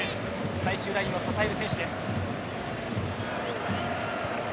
最終ラインを支える選手です。